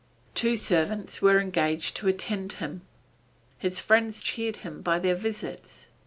Two servants were engaged to attend him. His friends cheered him by their visits.